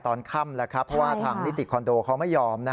ตอนค่ำแล้วครับเพราะว่าทางนิติบุคคลเขาไม่ยอม